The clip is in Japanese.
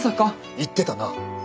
行ってたな？